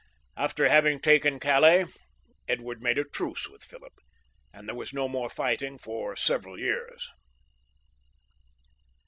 After having taken Calais, Edward made a truce with Philip, and there was no more fighting for several years.